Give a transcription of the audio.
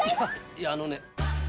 いやあのね。